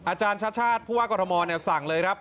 อาจารย์ชัดผู้ว่ากรมมสั่งเลย